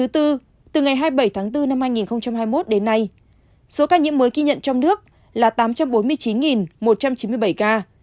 từ ngày hai mươi bảy tháng bốn năm hai nghìn hai mươi một đến nay số ca nhiễm mới ghi nhận trong nước là tám trăm bốn mươi chín một trăm chín mươi bảy ca